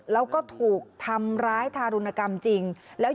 แล้วก็ถูกทำร้ายทารุณกรรมจริงแล้ว